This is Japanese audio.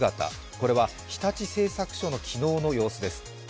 これは日立製作所の昨日の様子です。